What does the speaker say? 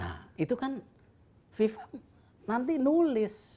nah itu kan fifa nanti nulis